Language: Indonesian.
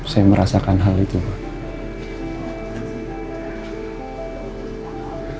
saya merasakan hal itu pak